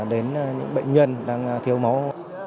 chuyển đến những bệnh nhân đang thiếu máu